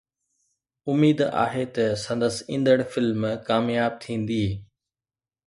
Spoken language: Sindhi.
اميد آهي ته سندس ايندڙ فلم ڪامياب ٿيندي